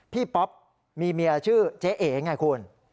ป๊อปมีเมียชื่อเจ๊เอ๋ไงคุณ